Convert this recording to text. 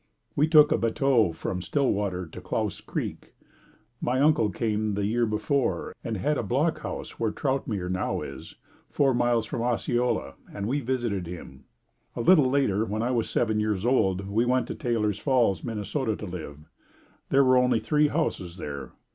We took a bateau from Stillwater to Clouse's Creek. My uncle came the year before and had a block house where Troutmere now is, four miles from Osceola and we visited him. A little later when I was seven years old, we went to Taylor's Falls, Minnesota, to live. There were only three houses there.